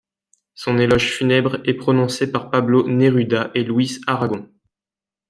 Son éloge funèbre est prononcé par Pablo Neruda et Louis Aragon.